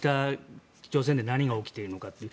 北朝鮮で何が起きているのかという。